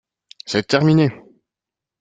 C’est terminé